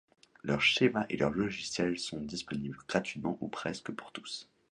Leurs schémas et leurs logiciels sont disponibles gratuitement ou presque, pour tous.